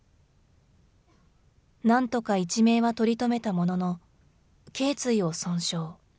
なんとか一命は取り留めたものの、けい椎を損傷。